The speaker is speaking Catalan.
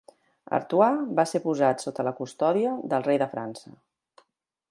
Artois va ser posat sota la custòdia del rei de França.